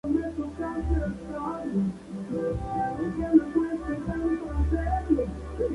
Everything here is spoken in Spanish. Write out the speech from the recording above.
Sus centros poblados son Jaime y Pueblo Nuevo.